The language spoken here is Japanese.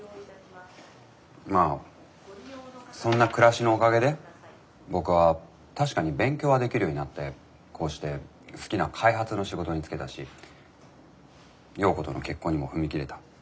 まあそんな暮らしのおかげで僕は確かに勉強はできるようになってこうして好きな開発の仕事につけたし耀子との結婚にも踏み切れた。